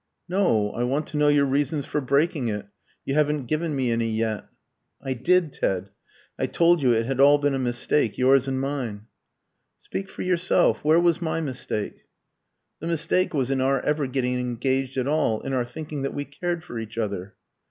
"No. I want to know your reasons for breaking it. You haven't given me any yet." "I did, Ted. I told you it had all been a mistake yours and mine." "Speak for yourself. Where was my mistake?" "The mistake was in our ever getting engaged at all in our thinking that we cared for each other."